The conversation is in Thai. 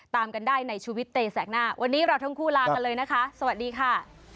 ตามกันได้ในชีวิตเตแสกหน้าวันนี้เราทั้งคู่ลากันเลยนะคะสวัสดีค่ะ